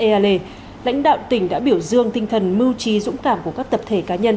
đảng ủy xe ale lãnh đạo tỉnh đã biểu dương tinh thần mưu trí dũng cảm của các tập thể cá nhân